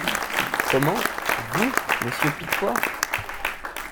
Comment !… vous, monsieur Pitois ?